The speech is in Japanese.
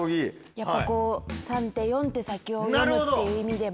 やっぱこう３手４手先を読むっていう意味でも。